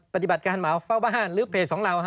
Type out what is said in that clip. ปฏิบัติการเหมาเฝ้าบ้านหรือเพจของเรา